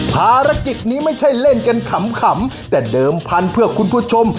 ภารกิจนี้ไม่ใช่เล่นกันขำแต่เดิมพันธุ์เพื่อคุณผู้ชม